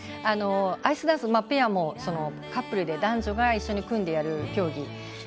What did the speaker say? アイスダンスはペアも、カップルで男女が一緒に組んでやる競技。